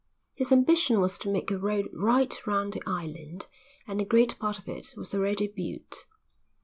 His ambition was to make a road right round the island and a great part of it was already built.